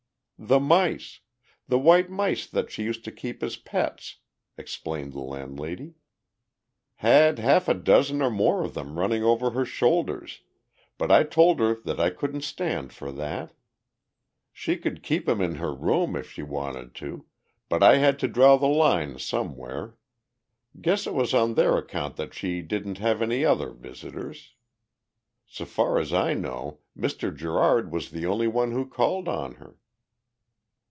"The mice the white mice that she used to keep as pets," explained the landlady. "Had half a dozen or more of them running over her shoulders, but I told her that I couldn't stand for that. She could keep 'em in her room if she wanted to, but I had to draw the line somewhere. Guess it was on their account that she didn't have any other visitors. S'far as I know Mr. Gerard was the only one who called on her."